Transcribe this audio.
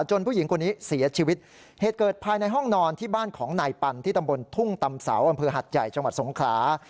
ผู้หญิงคนนี้เสียชีวิตเหตุเกิดภายในห้องนอนที่บ้านของนายปันที่ตำบลทุ่งตำเสาอำเภอหัดใหญ่จังหวัดสงขลา